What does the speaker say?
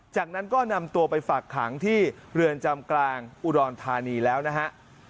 จากนั้นก็นำตัวไปฝากขังที่เรือนจำกลางอุดรธานีแล้วนะฮะ